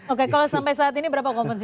oke kalau sampai saat ini berapa kompetisi